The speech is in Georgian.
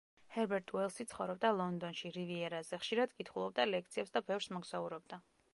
ჰერბერტ უელსი ცხოვრობდა ლონდონში, რივიერაზე, ხშირად კითხულობდა ლექციებს და ბევრს მოგზაურობდა.